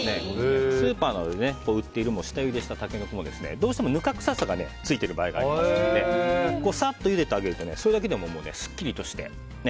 スーパーなどで売っている下ゆでしたタケノコもどうしても、ぬか臭さがついている場合がありますのでサッとゆでてあげるとそれだけでも、すっきりとして。